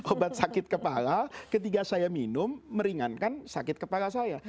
obat sakit kepala ketika saya minum meringankan sakit kepala saya